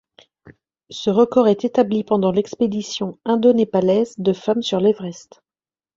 Ce record est établi pendant l'expédition indo-népalaise de femmes sur l'Everest.